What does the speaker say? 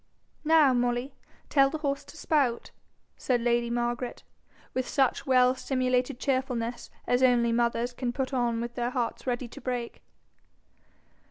'Now, Molly, tell the horse to spout,' said lady Margaret, with such well simulated cheerfulness as only mothers can put on with hearts ready to break.